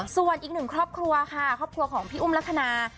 ส่วนอีกหนึ่งครอบครัวค่ะครอบครัวของพี่อุ้มลักษณะ